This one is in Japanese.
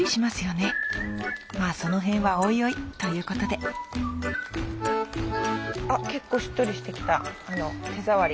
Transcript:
まあその辺はおいおいということであ結構しっとりしてきた手触りが。